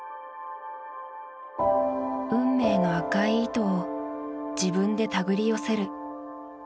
運命の赤い糸を自分でたぐり寄せる。